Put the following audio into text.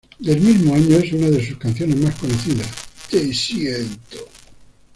Del mismo año es una de sus canciones más conocidas, ""Te siento"".